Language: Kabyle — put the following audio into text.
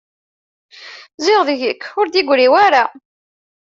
Ziɣ deg-k ur d-igri wara.